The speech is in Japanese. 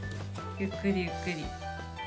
ゆっくりゆっくり。